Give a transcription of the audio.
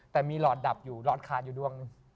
แต่มีหลอดดับอยู่หลอดคานอยู่ดวงหนึ่ง